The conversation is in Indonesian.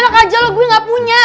enak aja loh gue gak punya